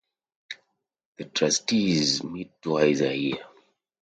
The Trustees meet twice a year.